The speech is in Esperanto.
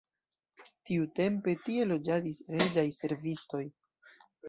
Tiutempe tie loĝadis reĝaj servistoj.